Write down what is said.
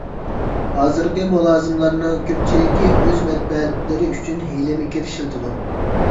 ھازىرقى مۇلازىملارنىڭ كۆپچىلىكى ئۆز مەنپەئەتلىرى ئۈچۈن ھىيلە - مىكىر ئىشلىتىدۇ.